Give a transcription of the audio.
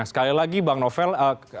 sekali lagi bang novel